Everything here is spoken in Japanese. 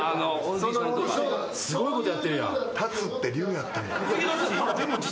すごいことやってるやん。